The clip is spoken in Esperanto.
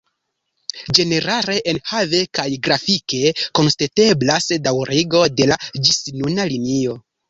Ĝenerale enhave kaj grafike konstateblas daŭrigo de la ĝisnuna linio.